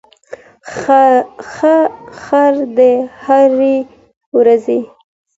خر د هري ورځي